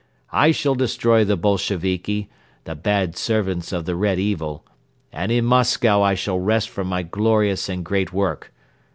I shall destroy the Bolsheviki, the bad 'servants of the Red evil,' and in Moscow I shall rest from my glorious and great work.